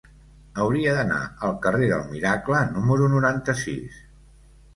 Hauria d'anar al carrer del Miracle número noranta-sis.